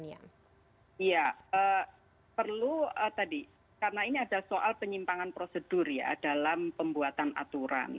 iya perlu tadi karena ini ada soal penyimpangan prosedur ya dalam pembuatan aturan